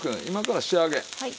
今から仕上げ。